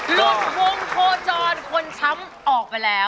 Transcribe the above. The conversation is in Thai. หลุดวงโคจรคนช้ำออกไปแล้ว